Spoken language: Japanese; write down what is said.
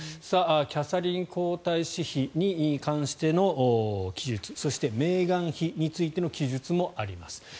キャサリン皇太子妃に関しての記述そして、メーガン妃についての記述もあります。